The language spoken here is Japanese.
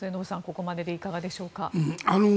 ここまででいかがでしょうか。